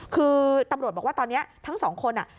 คือตำรวจบอกว่าตอนนี้ทั้งสองคน